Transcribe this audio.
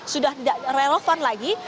sudah tidak relevan lagi